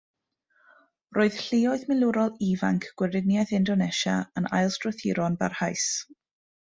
Roedd lluoedd milwrol ifanc Gweriniaeth Indonesia yn ailstrwythuro'n barhaus.